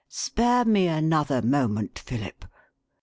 "Spare me another moment, Philip.